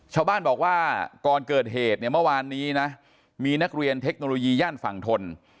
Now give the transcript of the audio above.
ชาวบ้านบอกว่าก่อนเกิดเหตุเนี่ยเมื่อวานนี้นะมีนักเรียนเทคโนโลยีย่านฝั่งทน